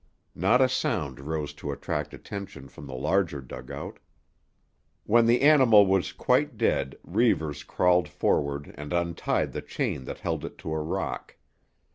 Not a sound rose to attract attention from the larger dugout. When the animal was quite dead Reivers crawled forward and untied the chain that held it to a rock.